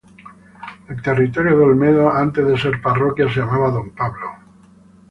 El territorio de Olmedo antes de ser Parroquia se llamaba Don Pablo.